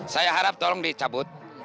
saya harap tolong dicabut